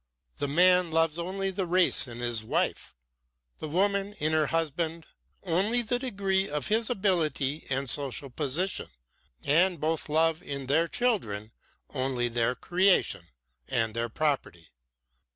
The man loves only the race in his wife, the woman in her husband only the degree of his ability and social position, and both love in their children only their creation and their property.